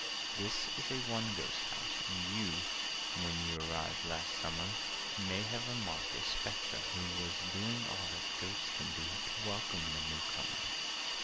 "This is a 'one ghost' house, and you When you arrived last summer, May have remarked a Spectre who Was doing all that Ghosts can do To welcome the new comer.